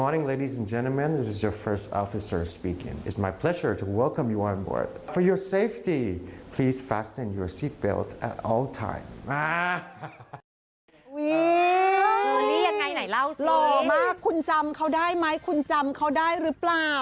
หล่อมากคุณจำเขาได้ไหมคุณจำเขาได้รึเปล่า